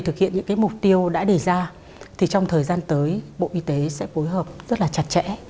để thực hiện những mục tiêu đã để ra thì trong thời gian tới bộ y tế sẽ phối hợp rất là chặt chẽ